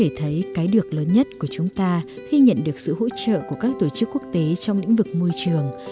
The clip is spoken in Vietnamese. để thấy cái được lớn nhất của chúng ta khi nhận được sự hỗ trợ của các tổ chức quốc tế trong lĩnh vực môi trường